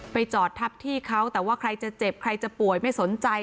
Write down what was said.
จอดทับที่เขาแต่ว่าใครจะเจ็บใครจะป่วยไม่สนใจ